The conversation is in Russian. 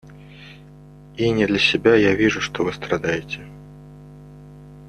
И не для себя, — я вижу, что вы страдаете.